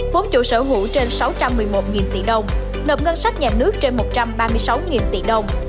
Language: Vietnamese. vốn chủ sở hữu trên sáu trăm một mươi một tỷ đồng nộp ngân sách nhà nước trên một trăm ba mươi sáu tỷ đồng